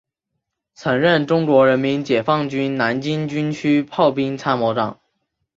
曾任中国人民解放军南京军区炮兵参谋长。